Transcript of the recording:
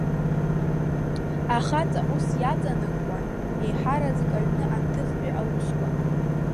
Ахаҵа ус иаҵанакуан еиҳараӡак аҩны анҭыҵтәи аусқәа…